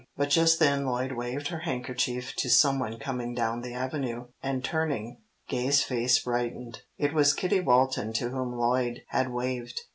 But just then Lloyd waved her handkerchief to some one coming down the avenue, and turning, Gay's face brightened. It was Kitty Walton to whom Lloyd had waved.